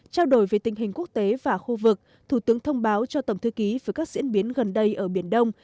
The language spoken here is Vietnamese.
trao đổi về tình hình quốc tế và khu vực thủ tướng thông báo cho tổng thư ký với các diễn biến gần đây ở biển đông